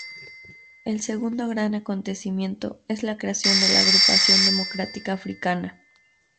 El segundo gran acontecimiento es la creación de la Agrupación Democrática Africana.